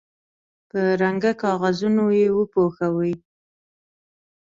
په رنګه کاغذونو یې وپوښوئ.